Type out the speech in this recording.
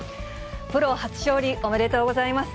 プロ初勝利、おめでとうございます。